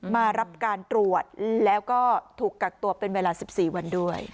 มารับการตรวจแล้วก็ถูกกักตัวเป็นเวลา๑๔วันด้วย